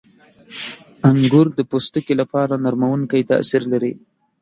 • انګور د پوستکي لپاره نرمونکی تاثیر لري.